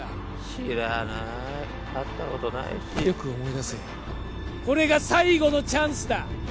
知らない会ったことないしよく思い出せこれが最後のチャンスだ